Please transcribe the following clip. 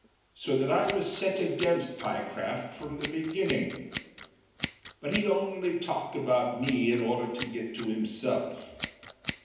So that I was set against Pyecraft from the beginning. But he only talked about me in order to get to himself.